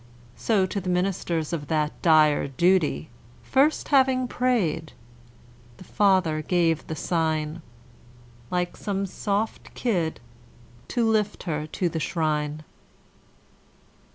So to the ministers of that dire duty (First having prayed) the father gave the sign, Like some soft kid, to lift her to the shrine.